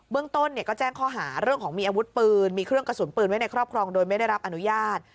เรื่องต้นก็แจ้งข้อหาเรื่องของมีอาวุธปืนมีเครื่องกระสุนปืนไว้ในครอบครองโดยไม่ได้รับอนุญาต